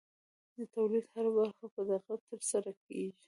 د تولید هره برخه په دقت ترسره کېږي.